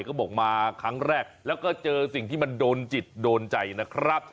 ก็บอกมาครั้งแรกแล้วก็เจอสิ่งที่มันโดนจิตโดนใจนะครับ